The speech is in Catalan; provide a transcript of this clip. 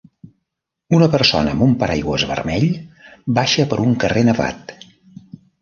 Una persona amb un paraigües vermell baixa per un carrer nevat.